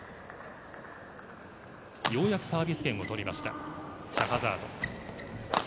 ようやくサービス権を取りました、シャハザード。